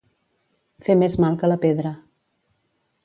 Fer més mal que la pedra.